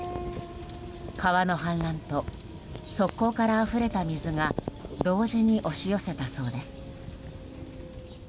川の氾濫と側溝からあふれた水が同時に押し寄せたそうです。